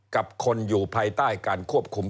กับคนอยู่ภายใต้การควบคุม